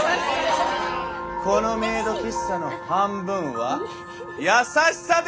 このメイド喫茶の半分は優しさで！